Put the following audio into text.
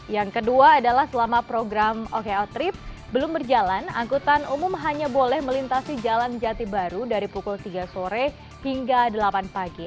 yang kedua adalah selama program oko trip belum berjalan angkutan umum hanya boleh melintasi jalan jati baru dari pukul tiga sore hingga delapan pagi